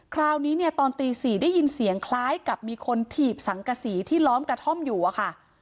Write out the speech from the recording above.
คราวนี้เนี่ยตอนตี๔ได้ยินเสียงคล้ายกับมีคนถีบสังกษีที่ล้อมกระท่อมอยู่อะค่ะ